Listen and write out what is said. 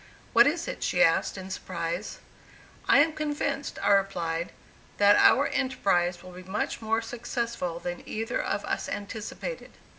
"What is it?" she asked in surprise. "I am convinced," I replied, "that our enterprise will be much more successful than either of us anticipated.